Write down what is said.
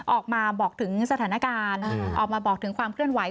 ออกมาบอกถึงสถานการณ์ออกมาบอกถึงความเคลื่อนไห